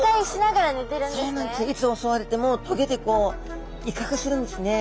いつ襲われてもとげでこういかくするんですね。